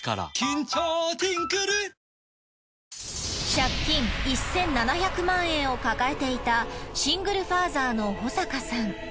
借金１，７００万円を抱えていたシングルファーザーの保坂さん。